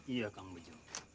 iya kang peju